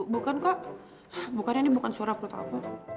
bukan kak bukannya ini bukan suara perut apa